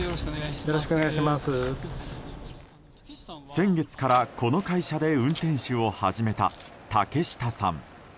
先月から、この会社で運転手を始めた竹下さん。